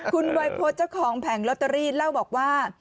คุณวัยพฤษเจ้าของแผงลอตเตอรี่เล่าบอกว่า